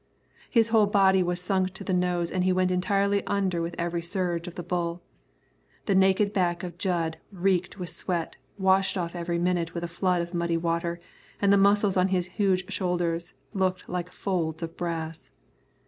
His whole body was sunk to the nose and he went entirely under with every surge of the bull. The naked back of Jud reeked with sweat, washed off every minute with a flood of muddy water, and the muscles on his huge shoulders looked like folds of brass.